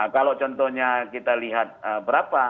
kalau contohnya kita lihat berapa